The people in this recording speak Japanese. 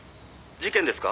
事件ですか？